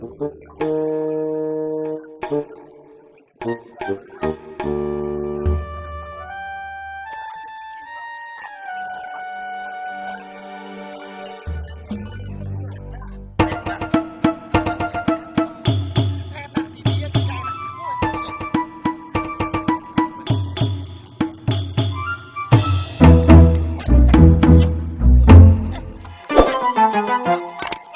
ih bangun kagak bangun kagak